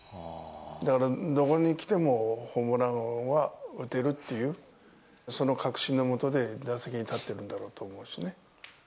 だからどこに来てもホームランは打てるっていう、その確信の下で打席に立ってるんだろうと思うしね。